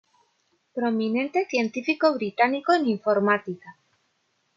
Prominente científico británico en Informática.